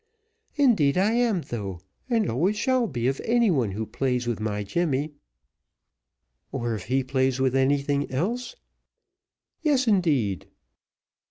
"Indeed I am though, and always shall be of anyone who plays with my Jemmy." "Or if he plays with anything else?" "Yes, indeed."